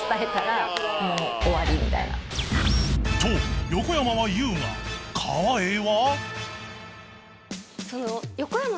［と横山は言うが川栄は？］